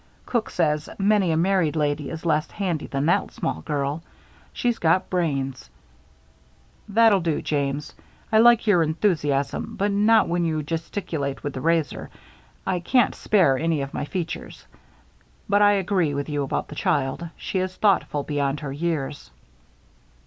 Cook says many a married lady is less handy than that small girl. She's got brains " "That'll do, James. I like your enthusiasm, but not when you gesticulate with that razor I can't spare any of my features. But I agree with you about the child. She is thoughtful beyond her years."